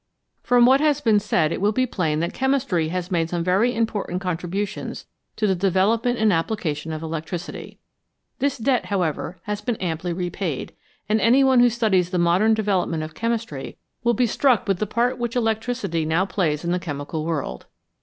From what has been said, it will be plain that chemistry has made some very important contributions to the development and application of electricity. This debt, however, has been amply repaid, and any one who studies the modern development of chemistry will be much struck with the part which electricity now 295 CHEMISTRY AND ELECTRICITY plays in the chemical world.